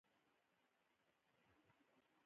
هغوی د خوږ څپو لاندې د مینې ژورې خبرې وکړې.